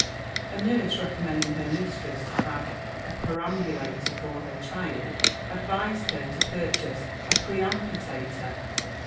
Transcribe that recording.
A nurse, recommending her mistress to have a perambulator for her child, advised her to purchase a preamputator!